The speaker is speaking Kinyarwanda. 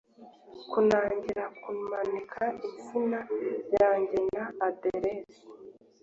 kunangira kumanika izina ryanjye na aderesi